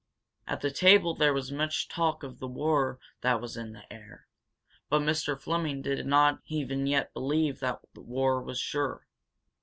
At the table there was much talk of the war that was in the air. But Mr. Fleming did not even yet believe that war was sure.